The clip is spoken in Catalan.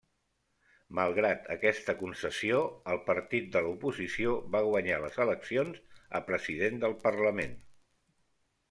Malgrat aquesta concessió, el partit de l'oposició va guanyar les eleccions a President del Parlament.